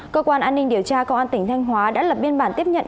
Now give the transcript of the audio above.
cơ quan an ninh điều tra công an tỉnh thanh hóa đã lập biên bản tiếp nhận